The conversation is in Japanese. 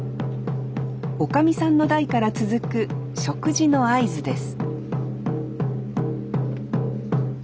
おかみさんの代から続く食事の合図です